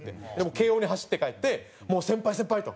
慶應に走って帰って「先輩先輩！」と。